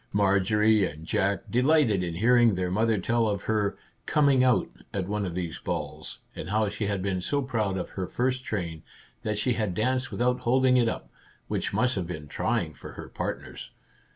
Marjorie and Jack delighted in hearing their mother tell of her " coming out " at one of these balls, and how she had been so proud of her first train that she had danced without holding it up, which must have been trying for her partners.